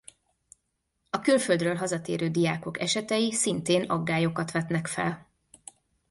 A külföldről hazatérő diákok esetei szintén aggályokat vetnek fel.